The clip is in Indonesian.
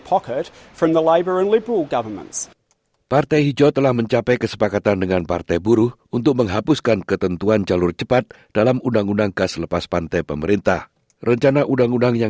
pemimpin partai hijau adam band mengatakan migran tidak bisa disalahkan atas krisis perumahan itu